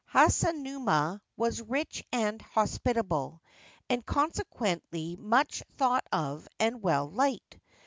Hasunuma was rich and hospitable, and consequently much thought of and well liked.